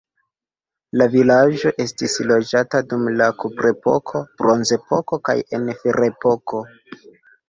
La vilaĝo estis loĝata dum la kuprepoko, bronzepoko kaj en ferepoko.